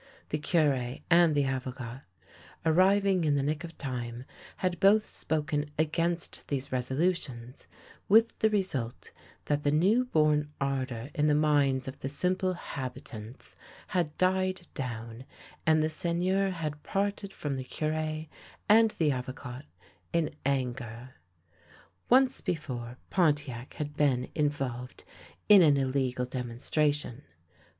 The Cure and the Avocat, arriving in the nick of time, had both spoken against these resolutions; with the result that the new born ardour in the minds of the simple habi tants had died down, and the Seigneur had parted from the Cure and the Avocat in anger. Once before Pontiac had been involved in an illegal 2 THE LANE THAT HAD NO TURNING demonstration.